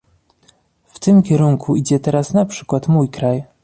W tym kierunku idzie teraz na przykład mój kraj